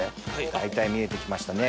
大体見えてきましたね。